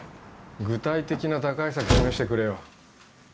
具体的な打開策示してくれよ